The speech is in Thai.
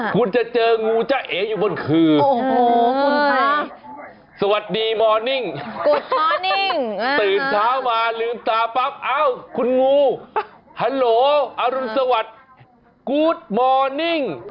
คุณจะเจองูจ้าเอ๋อยู่บนคือโอ้โหคุณค่ะสวัสดีมอร์นิ่งตื่นเช้ามาลืมตาปั๊บเอ้าคุณงูฮัลโหลอรุณสวัสดิ์กู๊ดมอร์นิ่ง